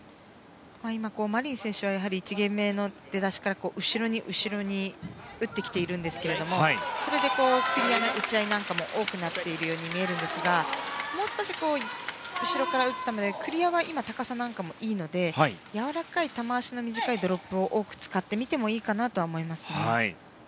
マリン選手は１ゲーム目の出だしから後ろに、後ろに打ってきているんですがそれでクリアの打ち合いなんかも多くなっているように見えるんですが、もう少し後ろから打つためにクリアは今高さなんかもいいのでやわらかい球足の短いドロップを多く使ってみてもいいかなと思いますね。